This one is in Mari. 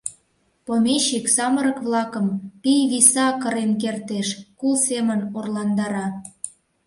Помещик самырык-влакым пий виса кырен кертеш, кул семын орландара.